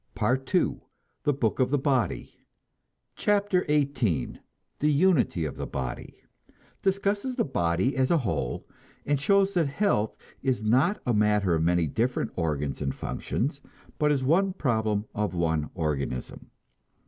PART TWO THE BOOK OF THE BODY CHAPTER XVIII THE UNITY OF THE BODY (Discusses the body as a whole, and shows that health is not a matter of many different organs and functions, but is one problem of one organism.)